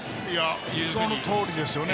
そのとおりですよね。